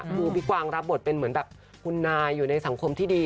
คือพี่กวางรับบทเป็นเหมือนแบบคุณนายอยู่ในสังคมที่ดี